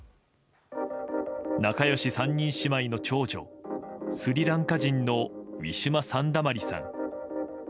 仲良し３人姉妹の長女スリランカ人のウィシュマ・サンダマリさん。